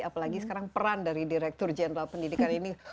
apalagi sekarang peran dari direktur jenderal pendidikan ini